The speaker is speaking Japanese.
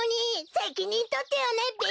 せきにんとってよねべ！